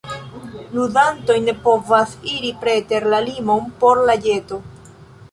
Ludantoj ne povas iri preter la limon por la ĵeto.